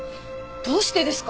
どうしてですか？